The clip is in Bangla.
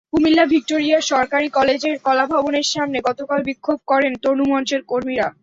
কুমিল্লা ভিক্টোরিয়া সরকারি কলেজের কলাভবনের সামনে গতকাল বিক্ষোভ করেন তনু মঞ্চের কর্মীরা।